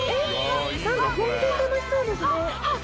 ホントに楽しそうですね。